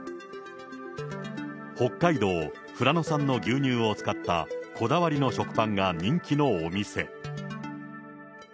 北海道富良野産の牛乳を使った、こだわりの食パンが人気のお店。